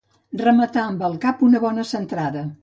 Rematar amb el cap una bona centrada.